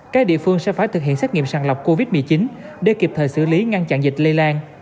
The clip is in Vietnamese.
các địa phương sẽ phải thực hiện xét nghiệm sàng lọc covid một mươi chín để kịp thời xử lý ngăn chặn dịch lây lan